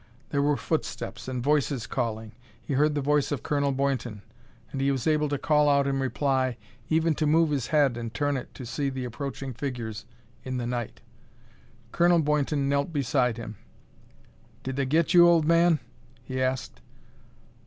There were footsteps, and voices calling: he heard the voice of Colonel Boynton. And he was able to call out in reply, even to move his head and turn it to see the approaching figures in the night. Colonel Boynton knelt beside him. "Did they get you, old man?" he asked.